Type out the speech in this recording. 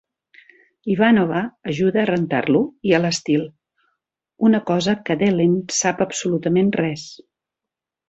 Ivanova ajuda a rentar-lo i a l'estil, una cosa que Delenn sap absolutament res.